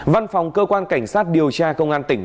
văn phòng cơ quan cảnh sát điều tra công an tỉnh